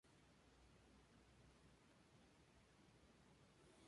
Las dos terceras partes restantes se convirtieron en el estado federado austriaco de Estiria.